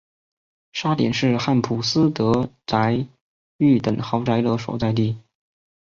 沙点是汉普斯德宅邸等豪宅的所在地。